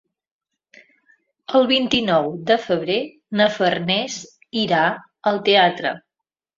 El vint-i-nou de febrer na Farners irà al teatre.